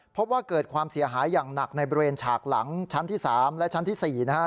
พบว่าเกิดความเสียหายอย่างหนักในบริเวณฉากหลังชั้นที่๓และชั้นที่๔นะฮะ